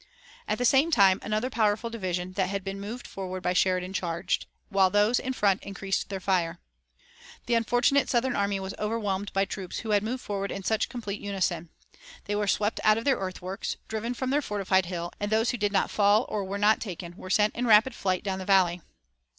At the same time, another powerful division that had been moved forward by Sheridan, charged, while those in front increased their fire. The unfortunate Southern army was overwhelmed by troops who had moved forward in such complete unison. They were swept out of their earthworks, driven from their fortified hill, and those who did not fall or were not taken were sent in rapid flight down the valley.